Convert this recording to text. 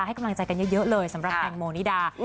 ให้กำลังใจกันเยอะเลยสำหรับแตงโมนิดา